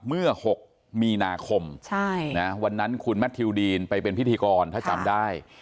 เมื่อ๖มีนาคมวันนั้นคุณแมททิวดีนไปเป็นพิธีกรถ้าจำได้